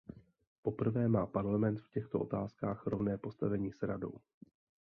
Poprvé má Parlament v těchto otázkách rovné postavení s Radou.